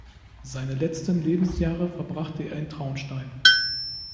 Seine letzten Lebensjahre verbrachte er in Traunstein.